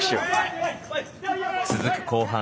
続く後半。